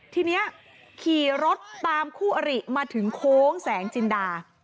ทีนี้ขี่รถตามคู่อริมาถึงโค้งแสงจินดา